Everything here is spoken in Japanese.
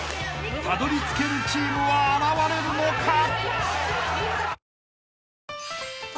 ［たどり着けるチームは現れるのか］